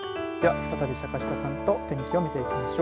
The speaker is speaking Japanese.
再び、坂下さんと天気を見ていきましょう。